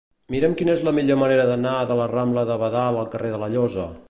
Mira'm quina és la millor manera d'anar de la rambla de Badal al carrer de la Llosa.